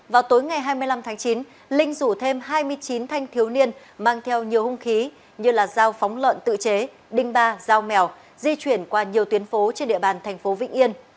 vào tối ngày hai mươi năm tháng chín linh rủ thêm hai mươi chín thanh thiếu niên mang theo nhiều hung khí như dao phóng lợn tự chế đinh ba dao mèo di chuyển qua nhiều tuyến phố trên địa bàn thành phố vĩnh yên